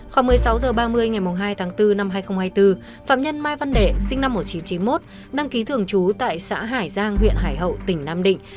khoảng một mươi sáu h ba mươi ngày hai tháng bốn năm hai nghìn hai mươi bốn phạm nhân mai văn đệ sinh năm một nghìn chín trăm chín mươi một đăng ký thường trú tại xã hải giang huyện hải hậu tỉnh nam định